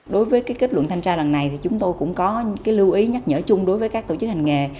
đối với kết luận thanh tra lần này chúng tôi cũng có lưu ý nhắc nhở chung với các tổ chức hành nghệ